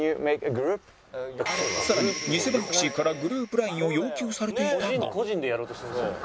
更に偽バンクシーからグループ ＬＩＮＥ を要求されていたが